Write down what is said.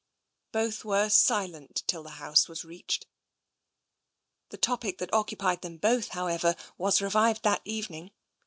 Both were silent till the house was reached. The topic that occupied them both, however, was revived that evening.